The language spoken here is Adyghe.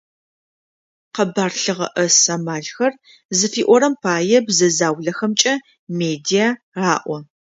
«Къэбар лъыгъэӏэс амалхэр» зыфиӏорэм пае бзэ заулэхэмкӏэ «медиа» аӏо.